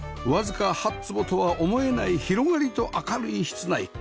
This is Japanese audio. わずか８坪とは思えない広がりと明るい室内